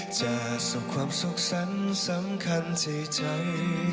จะส่งความสุขสันสำคัญใจใจ